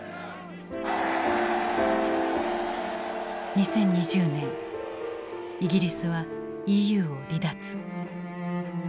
２０２０年イギリスはＥＵを離脱。